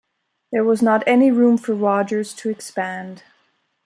There was not any room for Rogers to expand.